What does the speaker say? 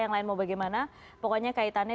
yang lain mau bagaimana pokoknya kaitannya